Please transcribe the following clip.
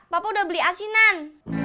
papa udah beli asinan